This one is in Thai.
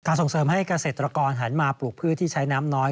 ส่งเสริมให้เกษตรกรหันมาปลูกพืชที่ใช้น้ำน้อย